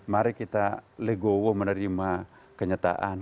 mari kita legowo menerima kenyataan